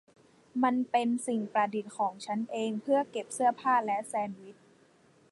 มันเป็นสิ่งประดิษฐ์ของฉันเอง เพื่อเก็บเสื้อผ้าและแซนด์วิช